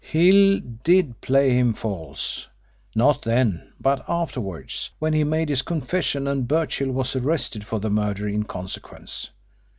Hill did play him false, not then, but afterwards, when he made his confession and Birchill was arrested for the murder in consequence.